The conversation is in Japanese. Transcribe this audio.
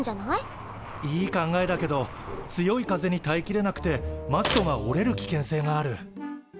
いい考えだけど強い風にたえきれなくてマストが折れる危険性がある。